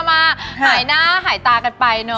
มาหายหน้าหายตากันไปเนาะ